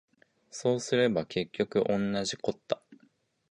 そうすれば結局おんなじこった